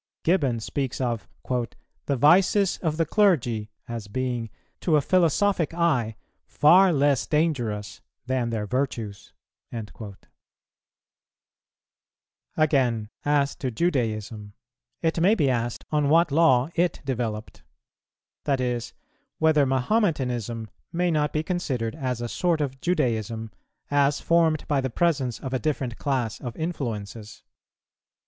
Gibbon speaks of "the vices of the clergy" as being "to a philosophic eye far less dangerous than their virtues."[184:1] Again, as to Judaism, it may be asked on what law it developed; that is, whether Mahometanism may not be considered as a sort of Judaism, as formed by the presence of a different class of influences.